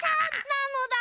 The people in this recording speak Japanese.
なのだ。